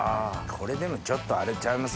これでもちょっとあれちゃいます？